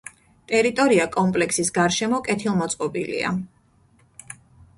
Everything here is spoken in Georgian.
ტერიტორია კომპლექსის გარშემო კეთილმოწყობილია.